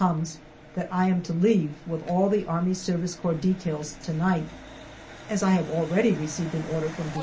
comes that I am to leave with all the A.S.C. details to night. As I have already received an order from D.H.